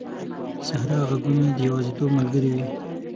د صحرا ږغونه د یوازیتوب ملګري وي.